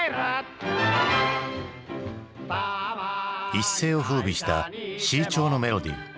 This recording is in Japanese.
一世を風靡したＣ調のメロディー。